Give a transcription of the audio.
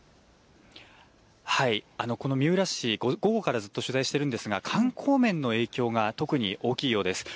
この三浦市、午後からずっと取材しているんですが観光面の影響が特に大きいようです。